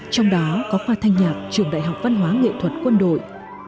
trong đó có khoa thanh nhạc trường đại học văn hóa nghệ thuật quân đội